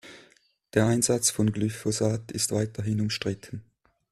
Der Einsatz von Glyphosat ist weiterhin umstritten.